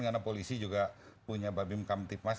karena polisi juga punya babim kamtipas